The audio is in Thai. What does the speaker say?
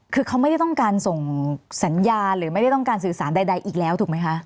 คือเขาไม่ได้ต้องการส่งสัญญาหรือไม่ได้ต้องการสื่อสารใดอีกแล้วถูกไหมคะ